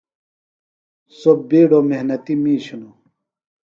سوۡ بِیڈوۡ محنتیۡ میِش ہِنوۡ۔